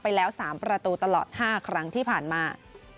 ไปแล้ว๓ประตูตลอด๕ครั้งที่ผ่านมา